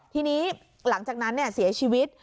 ทีนี้หลังจากนั้นเสียชีวิต